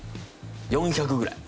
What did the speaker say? ４００ぐらい。